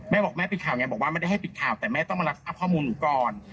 แม่บอกว่าไม่ให้ปิดข่าวแต่แม่ต้องมารับความคุ้นผิดข่าวหนูก่อน